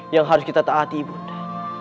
yang harus kita taati ibunda